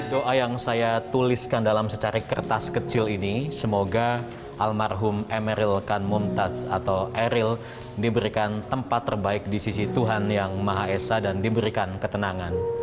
doa yang saya tuliskan dalam secari kertas kecil ini semoga almarhum emeril kan mumtaz atau eril diberikan tempat terbaik di sisi tuhan yang maha esa dan diberikan ketenangan